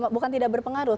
bukan tidak berpengaruh